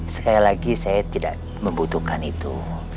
sekali lagi saya tidak membutuhkan itu